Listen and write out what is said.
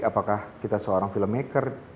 apakah kita seorang film maker